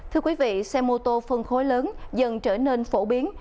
thưa quý vị xe mô tô phân khối lớn dần trở nên phổ biến